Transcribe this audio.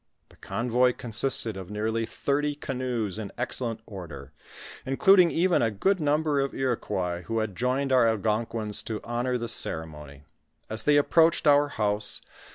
The convoy consisted of nearly thirty canoes in excellent order ; including even a good number of Iroquois who had joined our Algonquins to honor the ceremony. As they approached our house.